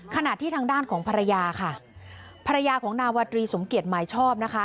ขณะที่ทางด้านของภรรยาค่ะภรรยาของนาวาตรีสมเกียจหมายชอบนะคะ